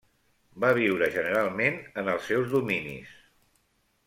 Va viure generalment en els seus dominis.